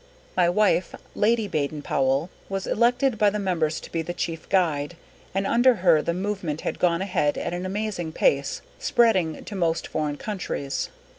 _ _My wife, Lady Baden Powell, was elected by the members to be the Chief Guide, and under her the movement has gone ahead at an amazing pace, spreading to most foreign countries.